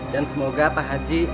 dan semoga pak haji